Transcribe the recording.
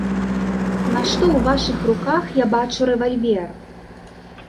Нашто ў вашых руках я бачу рэвальвер?